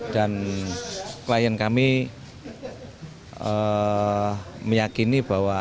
dan klien kami meyakini bahwa